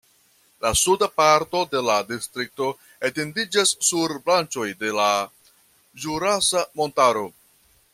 La suda parto de la distrikto etendiĝas sur branĉoj de la Ĵurasa Montaro.